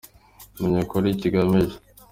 Menya ukuri kigamije